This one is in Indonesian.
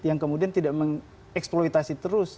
yang kemudian tidak mengeksploitasi terus